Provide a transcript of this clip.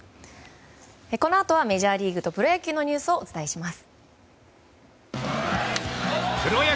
このあとはメジャーリーグとプロ野球のニュースをお伝えします。